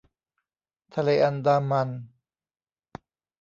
ทะเลอันดามัน